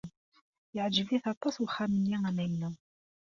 Yeɛjeb-it aṭas wexxam-nni amaynu.